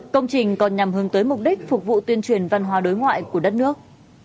công trình còn nhằm hướng tới mục đích phục vụ tuyên truyền văn hóa đối ngoại của đất nước